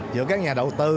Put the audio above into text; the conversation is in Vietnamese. giữa các nhà đầu tư